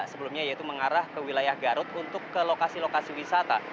sebelumnya yaitu mengarah ke wilayah garut untuk ke lokasi lokasi wisata